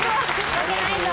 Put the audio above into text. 負けないぞ！